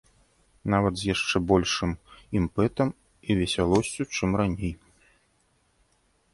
Нават з яшчэ большым імпэтам і весялосцю, чым раней.